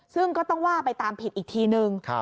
ซึ่งก็ต้องว่าไปตามผิดอีกทีนึง